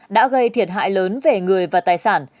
đã gây thiệt hại lớn về người và tài sản